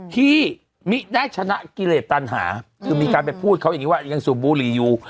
ที่มิได้ชนะกิเลสตันหาคือมีการไปพูดเขาอย่างนี้ว่ายังสูบบุหรี่อยู่